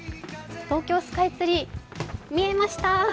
東京スカイツリー、見えました！